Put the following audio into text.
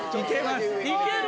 いける？